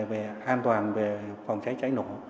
về an toàn về phòng cháy cháy nổ